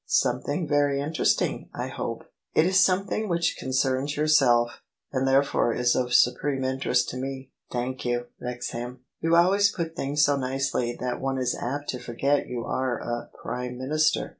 Something very interesting, I hope." " It is something which concerns yourself, and therefore is of supreme interest to me." " Thank you, Wrexham : you always put things so nicely that one is apt to forget you are a Prime Minister."